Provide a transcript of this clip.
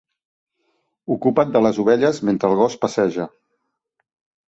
Ocupa't de les ovelles mentre el gos passeja.